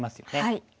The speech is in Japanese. はい。